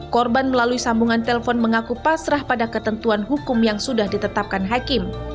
korban melalui sambungan telpon mengaku pasrah pada ketentuan hukum yang sudah ditetapkan hakim